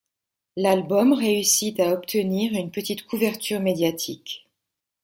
L'album réussit à obtenir une petite couverture médiatique.